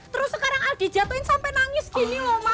terus sekarang al dijatuhin sampai nangis gini loh ma